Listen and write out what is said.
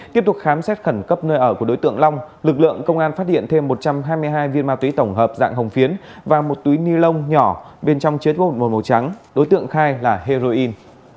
tiếp tục khám xét khẩn cấp nơi ở của đối tượng long lực lượng công an phát hiện thêm một trăm hai mươi hai viên ma túy tổng hợp dạng hồng phiến và một túi ni lông nhỏ bên trong chết gột màu trắng đối tượng khai là heroin